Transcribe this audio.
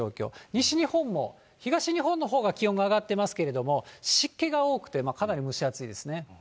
西日本も、東日本のほうが気温が上がってますけれども、湿気が多くて、かなり蒸し暑いですね。